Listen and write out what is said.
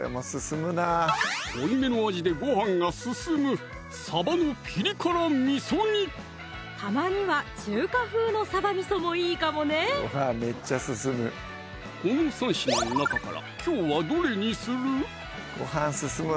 濃いめの味でごはんが進むたまには中華風のサバ味もいいかもねこの３品の中からきょうはどれにする？